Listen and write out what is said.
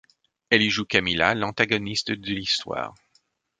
Elle y joue Camila, l'antagoniste de l'histoire.